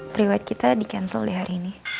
priwet kita di cancel di hari ini